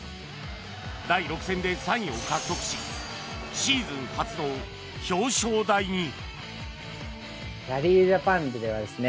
第６戦で３位を獲得しシーズン初の表彰台に！